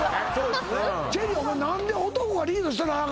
チェリーお前何で男がリードしたらなあ